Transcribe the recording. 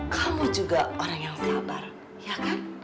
kamu juga orang yang sabar ya kan